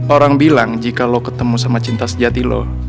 orang bilang jika lo ketemu sama cinta sejati lo